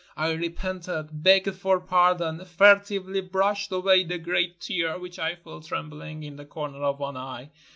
I repented, begged for pardon; furtively brushed away the great tear which I felt trembling in the comer of one eye.